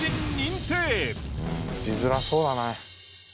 打ちづらそうだね。